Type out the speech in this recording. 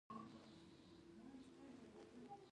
وزې له انسان سره همږغي لري